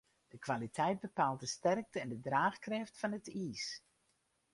De kwaliteit bepaalt de sterkte en draachkrêft fan it iis.